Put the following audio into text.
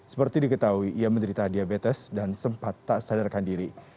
seperti diketahui ia menderita diabetes dan sempat tak sadarkan diri